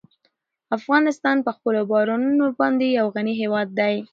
افغانستان په خپلو بارانونو باندې یو غني هېواد دی.